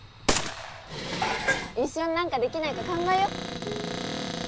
一緒に何かできないか考えよ？